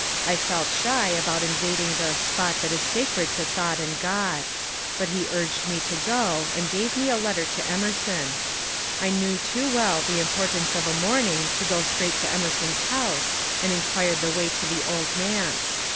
I felt shy about invading the ^^ spot that is sacred to thought and Ood," but he urged me to go and gave me a letter to Emer son. I knew too well the importance of a morning to go straight to Emerson's house, and inquired the way to the Old Manse.